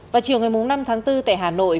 vào chiều ngày bốn tháng bốn tại hà nội